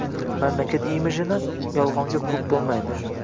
Mamlakat imijini «yolg‘on»ga qurib bo‘lmaydi